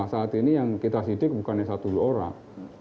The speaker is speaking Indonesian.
saat ini yang kita sidik bukannya satu orang